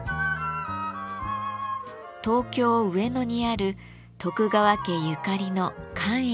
東京・上野にある徳川家ゆかりの寛永寺です。